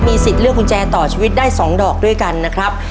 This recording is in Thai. สิทธิ์เลือกกุญแจต่อชีวิตได้๒ดอกด้วยกันนะครับ